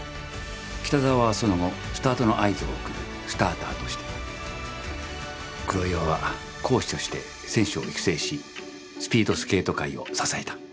北沢はその後スタートの合図を送るスターターとして黒岩はコーチとして選手を育成しスピードスケート界を支えた。